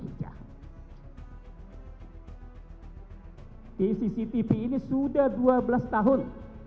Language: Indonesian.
di cctv ini sudah dua belas tahun